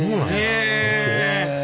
へえ！